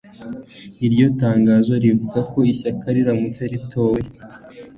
iryo tangazo rivuga ko ishyaka riramutse ritowe